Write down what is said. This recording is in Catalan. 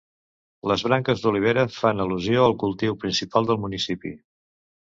Les branques d'olivera fan al·lusió al cultiu principal del municipi.